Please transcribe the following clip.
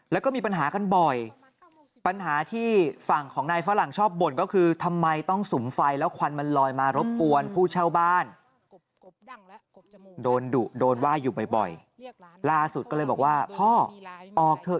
แล้วก็ก็ไฟเพื่อที่จะหุงข้าวที